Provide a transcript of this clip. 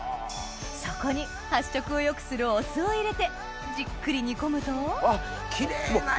そこに発色を良くするお酢を入れてじっくり煮込むとキレイな色！